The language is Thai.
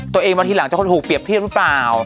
ตัวเองว่าทีหลังจะถูกเปรียบเทียบหรือเปล่า